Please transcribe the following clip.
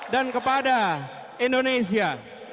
dan kepada indonesia